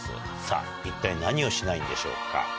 さぁ一体何をしないんでしょうか？